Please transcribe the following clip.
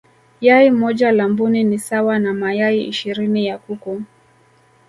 yai moja la mbuni ni sawa na mayai ishirini ya kuku